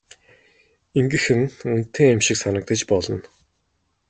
Ингэх нь үнэтэй юм шиг санагдаж болно.